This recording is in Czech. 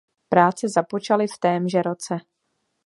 Práce započaly v témže roce.